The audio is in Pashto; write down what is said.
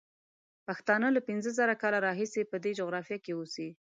پښتانه له پینځه زره کاله راهیسې په دې جغرافیه کې اوسي.